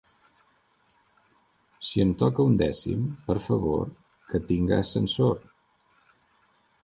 Si em toca un dècim, per favor, que tinga ascensor!